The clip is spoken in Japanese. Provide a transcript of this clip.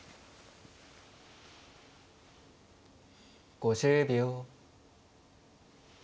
５０秒。